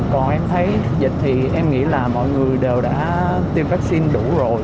còn em thấy dịch thì em nghĩ là mọi người đều đã tiêm vaccine đủ rồi